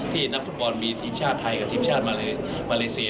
นักฟุตบอลมีทีมชาติไทยกับทีมชาติมาเลเซีย